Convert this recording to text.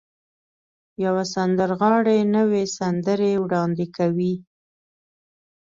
يوه سندرغاړې نوې سندرې وړاندې کوي.